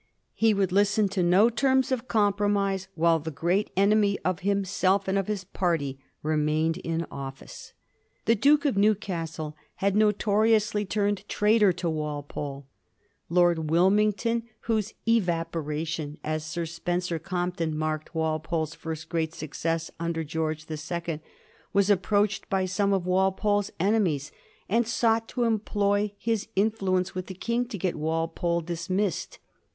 He would listen to no terms of compromise while the great enemy of himself and of his party remained in office. The Duke of Newcastle had notoriously turned traitor to Walpole. Lord Wilmington, whose " evaporation " as Sir Spencer Compton marked Walpole's first great success under George the Second, was approached by some of Walpole's enemies, and besought to employ his influence with the King to get Wi^lpole dismissed.